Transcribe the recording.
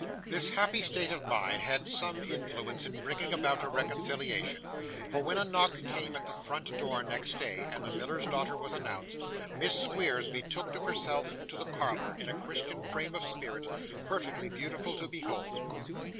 This happy state of mind had some influence in bringing about a reconciliation; for, when a knock came at the front door next day, and the miller's daughter was announced, Miss Squeers betook herself to the parlour in a Christian frame of spirit, perfectly beautiful to behold.